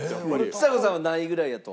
ちさ子さんは何位ぐらいやと？